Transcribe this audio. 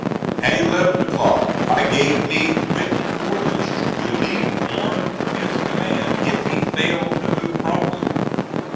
At eleven o'clock I gave Meade written orders to relieve Warren from his command if he failed to move promptly.